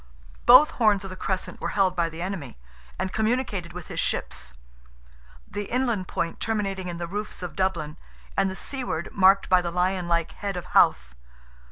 Both horns of the crescent were held by the enemy, and communicated with his ships: the inland point terminating in the roofs of Dublin, and the seaward marked by the lion like head of Howth.